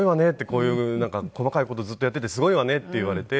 「こういう細かい事ずっとやっていてすごいわね」って言われて。